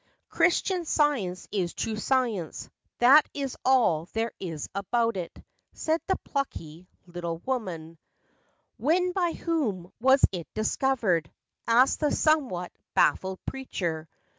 Christian science is true science; That is all there is about it," Said the plucky little woman. 86 FACTS AND FANCIES. "When, by whom, was it discovered?" Asked the somewhat baffled preacher.